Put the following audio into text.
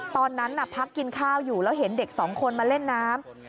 ตอนนั้นพักกินข้าวอยู่แล้วเห็นเด็กสองคนมาเล่นน้ำ